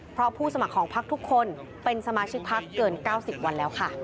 เพราะผู้สมัครของพักทุกคนเป็นสมาชิกพักเกิน๙๐วันแล้วค่ะ